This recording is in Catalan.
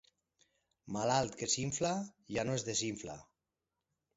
Malalt que s'infla ja no es desinfla.